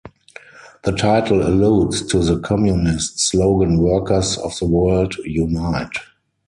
The title alludes to the communist slogan Workers of the world, unite!